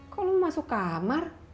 kok lo masuk kamar